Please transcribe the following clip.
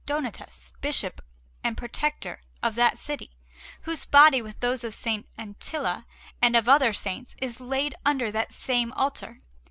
Donatus, Bishop and Protector of that city, whose body, with those of S. Antilla and of other Saints, is laid under that same altar.